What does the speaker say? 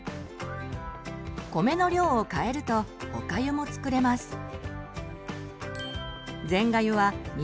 米の量を変えるとおかゆも作れます。